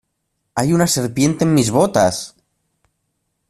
¡ Hay una serpiente en mis botas!